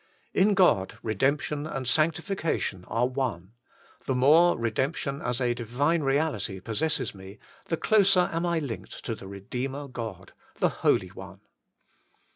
In God, redemption and sanctification are one : the more re demption as a Divine reality possesses me, the closer am I linked to the Eedeemer God, the Holy One.